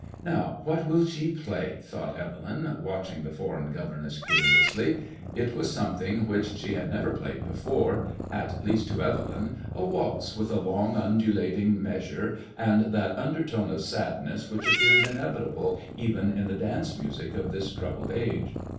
" Now, what will she play ?" thought Evelyn, watching the foreign governess curiously. It was something which she had MADBMOISBLLX IXE. 73 never played before — at least, to Evelyn — a waltz with a long, undulating measure, and that undertone of sadness which ap pears inevitable even in the dance music of this troubled age.